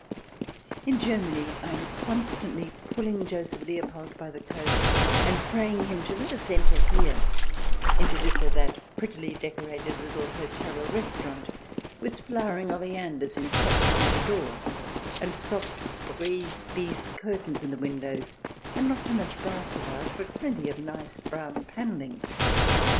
In Germany I am constantly pulling Joseph Leo pold by the coat and praying him to let us enter here, into this or that prettily decorated little hotel or restaurant, with flowering oleanders in pots near the door, and soft brise bise curtains in the windows and not too much brass about, but plenty of nice brown panelling.